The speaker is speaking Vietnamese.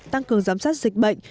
tăng cường giám sát dịch bệnh